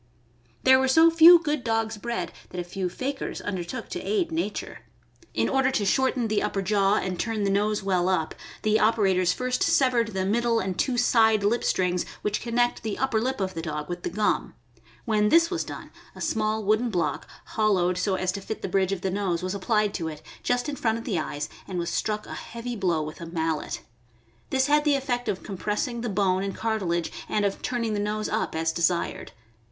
There were so few good dogs bred that a few fakirs undertook to aid nature. In order to shorten the upper jaw and turn the nose well up, the operators first severed the middle and two side lip strings which connect the upper lip of the dog with the gum. When this was done, a small wooden block, hollowed so as to fit the bridge of the nose, was applied to it, just in front of the eyes, and was struck a heavy blow with a mallet. This had the 604 THE AMERICAN BOOK OF THE DOG. effect of compressing the bone and cartilage and of turning the nose up as desired.